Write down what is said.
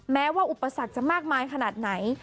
แม้ว่าอุปสรรคจะมากมายขนาดไหน